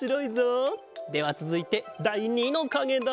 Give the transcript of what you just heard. ではつづいてだい２のかげだ。